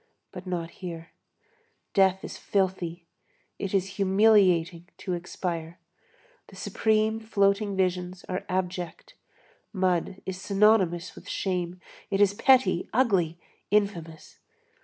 But not here. Death is filthy. It is humiliating to expire. The supreme floating visions are abject. Mud is synonymous with shame. It is petty, ugly, infamous.